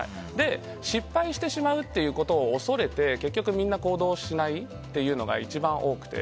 失敗してしまうことを恐れて結局、みんな行動しないのが一番多くて。